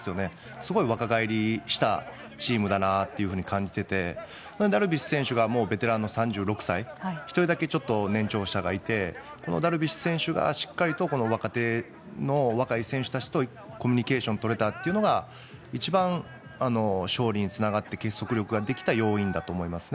すごい若返りしたチームだなと感じていてダルビッシュ選手がベテランの３６歳１人だけ年長者がいてダルビッシュ選手がしっかりと若手の若い選手たちとコミュニケーションを取れたというのが一番勝利につながって結束力ができた要因だと思います。